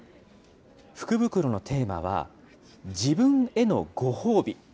福袋のテーマは、自分へのご褒美。